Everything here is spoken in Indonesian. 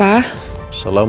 aku akan berhubung denganmu